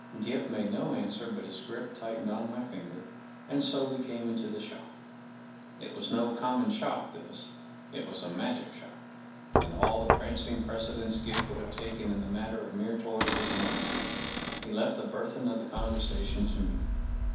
Gip made no answer, but his grip tightened on my finger, and so we came into the shop. . It was no common shop this; it was a magic shop, and all the prancing precedence Gip would have taken in the matter of mere toys was wanting. He left the burthen of the conversation to me.